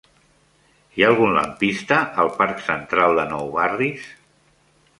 Hi ha algun lampista al parc Central de Nou Barris?